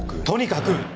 とにかく！